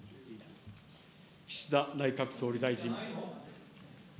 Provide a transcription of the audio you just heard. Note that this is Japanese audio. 岸田内閣総理大臣。